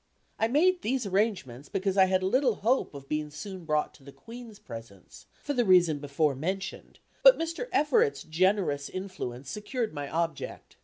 I made these arrangements because I had little hope of being soon brought to the Queen's presence, (for the reason before mentioned,) but Mr. Everett's generous influence secured my object.